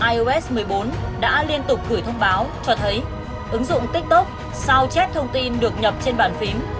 ios một mươi bốn đã liên tục gửi thông báo cho thấy ứng dụng tiktok sao chép thông tin được nhập trên bản phím